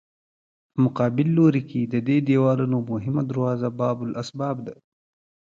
په مقابل لوري کې د دې دیوالونو مهمه دروازه باب الاسباب ده.